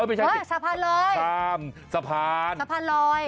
แขวนสะพานลอย